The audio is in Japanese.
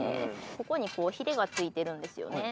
ここにこうヒレが付いてるんですよね